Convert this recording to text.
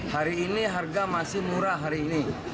hari ini harga masih murah hari ini